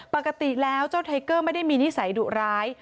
ปกติแล้วเจ้าไทเกอร์ไม่ได้มีนิสัยดุร้าย